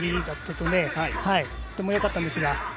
とてもよかったんですが。